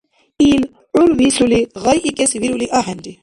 Ил, гӀур висули гъайикӀес вирули ахӀенри.